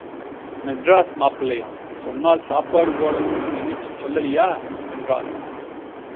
மெட்ராஸ் மாப்பிள்ளையாம்... சொன்னால் சாப்பாடு போடணுமுன்னு நினைச்சு சொல்லலியா... என்றாள்.